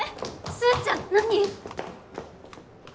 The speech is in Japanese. すーちゃん何？